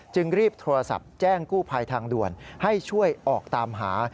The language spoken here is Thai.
จึงรีบโทรศัพท์แจ้งกู้ภัยทางด่วนให้ช่วยออกตามหา